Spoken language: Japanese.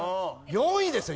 ４位ですよ